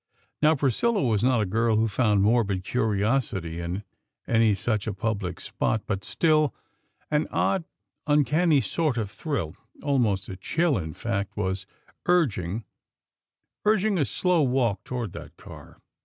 Now Priscilla was not a girl who found morbid curiosity in any such a public spot; but, still, an odd, uncanny sort of thrill, almost a chill, in fact, was urging, urging a slow walk toward that car.